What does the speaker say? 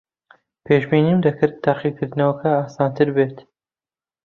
پێشبینیم دەکرد تاقیکردنەوەکە ئاسانتر بێت.